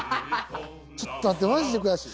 ちょっと待ってマジで悔しい。